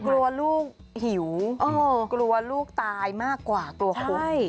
กลัวลูกหิวกลัวลูกตายมากกว่ากลัวคุก